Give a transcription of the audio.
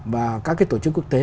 và các cái tổ chức quốc tế